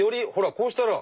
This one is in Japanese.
こうしたら。